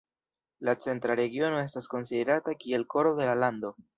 La centra regiono estas konsiderata kiel koro de la lando.